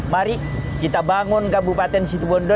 mari kita bangun kabupaten situ bondo